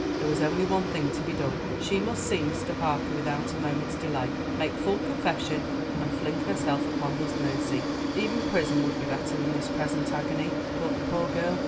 There was only one thing to be done; she must see Mr. Parker without a moment's delay, make full confession, and fling herself upon his mercy. "Even prison would be better than this present agony," thought the poor girl.